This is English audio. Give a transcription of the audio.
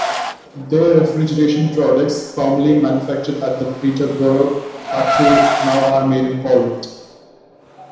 Their refrigeration products, formerly manufactured at the Peterborough factory now are made in Poland.